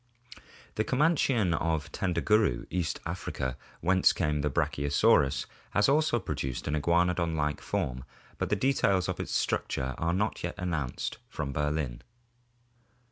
The Comanchian of Tendaguru, East Africa, whence came the Brachiosaurus (page 516), has also produced an Iguanodon iike form, but the details of its structure are not yet announced from Berlin.